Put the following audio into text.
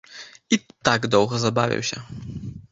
І так доўга забавіўся.